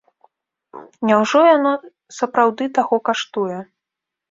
Няўжо яно сапраўды таго каштуе?